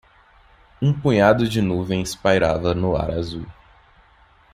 Um punhado de nuvens pairava no ar azul.